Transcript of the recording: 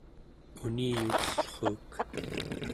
uniyutellruuk